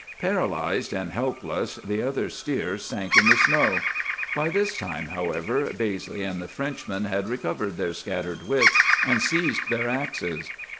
"Paralyzed and helpless, the other steer sank in the snow. By this time, however, Baizley and the Frenchman had recovered their scattered wits and seized their axes.